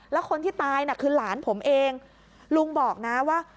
แล้วคนที่ตายน่ะคือหลานผมเองลุงบอกนะว่า